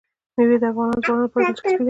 مېوې د افغان ځوانانو لپاره دلچسپي لري.